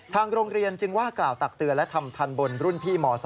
ทางโรงเรียนจึงว่ากล่าวตักเตือนและทำทันบนรุ่นพี่ม๒